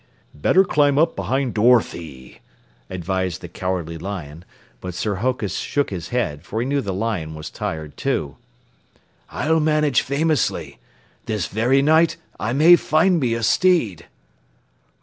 "Better climb up behind Dorothy," advised the Cowardly Lion, but Sir Hokus shook his head, for he knew the lion was tired, too. "I'll manage famously. This very night I may find me a steed!"